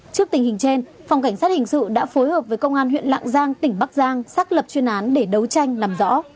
trước tình hình trên phòng cảnh sát hình sự đã phối hợp với công an huyện lạng giang tỉnh bắc giang xác lập chuyên án để đấu tranh làm rõ